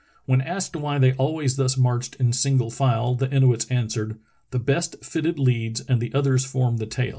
When asked why they always thus marched in single file the Inuits answered: "The best fitted leads and the others form the tail.